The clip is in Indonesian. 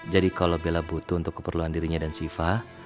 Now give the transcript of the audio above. jadi kalau bella butuh untuk keperluan dirinya dan siva